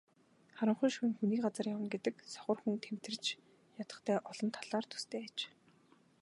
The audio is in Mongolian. Харанхуй шөнө хүний газар явна гэдэг сохор хүн тэмтэрч ядахтай олон талаар төстэй аж.